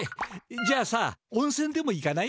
じゃあさおんせんでもいかない？